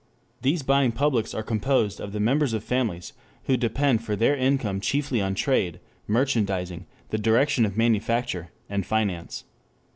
These buying publics are composed of the members of families, who depend for their income chiefly on trade, merchandising, the direction of manufacture, and finance.